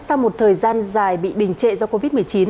sau một thời gian dài bị đình trệ do covid một mươi chín